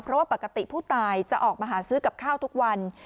เพราะว่าปกติผู้ตายจะออกมาหาซื้อกับข้าวทุกวัน